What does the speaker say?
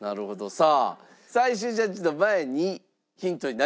さあ最終ジャッジの前にヒントになります。